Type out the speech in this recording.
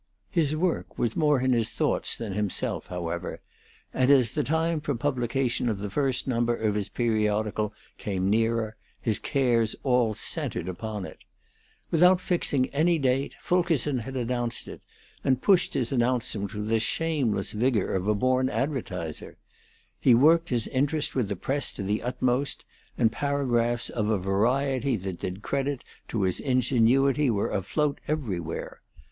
His work was more in his thoughts than himself, however; and as the time for the publication of the first number of his periodical came nearer, his cares all centred upon it. Without fixing any date, Fulkerson had announced it, and pushed his announcements with the shameless vigor of a born advertiser. He worked his interest with the press to the utmost, and paragraphs of a variety that did credit to his ingenuity were afloat everywhere.